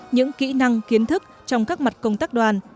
những kỹ năng kiến thức trong các mặt công tác đoàn